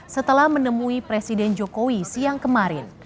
setelah menemui presiden jokowi siang kemarin